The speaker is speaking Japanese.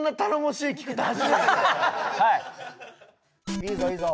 いいぞいいぞ。